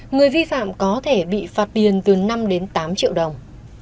người vi phạm có thể bị phạt tiền từ năm tám triệu đồng